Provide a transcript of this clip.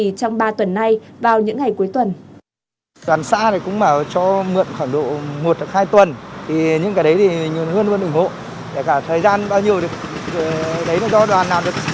trong ba tuần nay vào những ngày cuối tuần